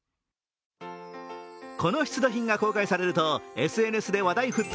この出土品が公開されるとＳＮＳで話題沸騰。